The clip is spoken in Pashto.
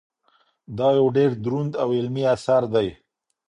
دا یو ډېر دروند او علمي اثر دی.